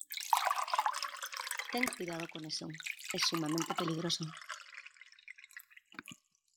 Ten cuidado con eso. Es sumamente peligroso .